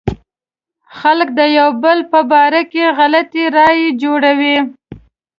خلک د يو بل په باره کې غلطې رايې جوړوي.